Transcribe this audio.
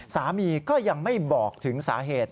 สามีก็ยังไม่บอกถึงสาเหตุ